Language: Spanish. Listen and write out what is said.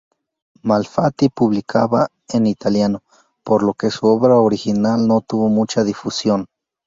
Malfatti publicaba en italiano, por lo que su obra original no tuvo mucha difusión.